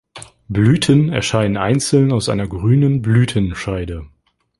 Blüten erscheinen einzeln aus einer grünen Blütenscheide.